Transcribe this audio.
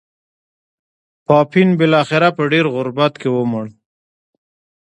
پاپین بلاخره په ډېر غربت کې ومړ.